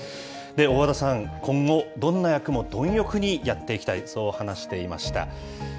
大和田さん、今後、どんな役も貪欲にやっていきたい、そう話していました。